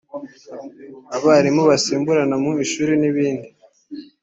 abarimu basimburana mu ishuri n’ibindi